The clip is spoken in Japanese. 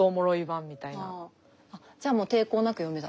ああじゃあもう抵抗なく読めた？